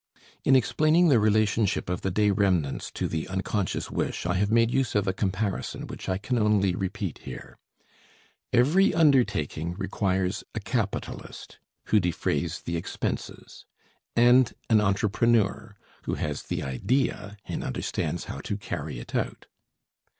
In explaining the relationship of the day remnants to the unconscious wish I have made use of a comparison which I can only repeat here. Every undertaking requires a capitalist, who defrays the expenses, and an entrepreneur, who has the idea and understands how to carry it out.